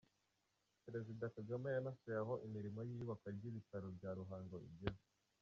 Perezida Kagame yanasuye aho imirimo y’iyubakwa ry’ibitaro bya Ruhango igeze.